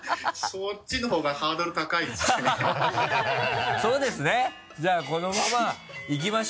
そっちのほうがハードル高いですね